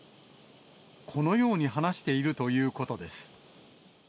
このように話しているということです。